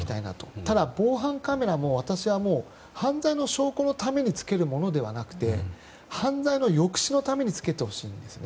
ただ防犯カメラも私は、もう犯罪の証拠のためにつけるものではなくて犯罪の抑止のためにつけてほしいんですね。